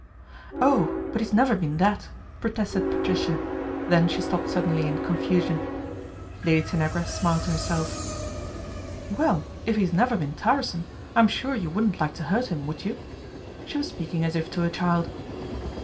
" Oh, but he's never been that !" protested Patricia, then she stopped suddenly in confusion. Lady Tanagra smiled to herself. " Well, if he's never been tiresome I'm sure you wouldn't like to hurt him, would you ?" She was speaking as if to a child.